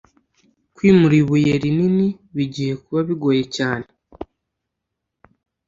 Kwimura ibuye rinini bigiye kuba bigoye cyane.